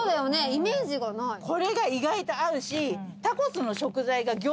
イメージがなへぇ。